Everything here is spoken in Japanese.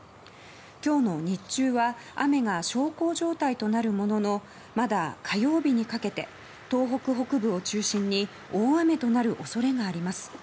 今日の日中は雨が小康状態となるもののまだ火曜日にかけて東北北部を中心に大雨となる恐れがあります。